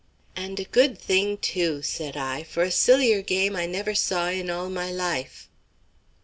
"And a good thing too," said I, "for a sillier game I never saw in all my life."